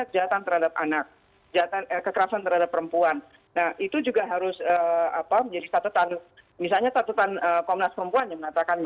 kejahatan terhadap anak